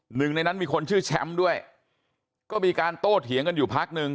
หนึ่งในนั้นมีคนชื่อแชมป์ด้วยก็มีการโต้เถียงกันอยู่พักหนึ่ง